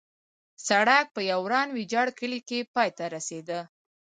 سړک په یو وران ویجاړ کلي کې پای ته رسېده.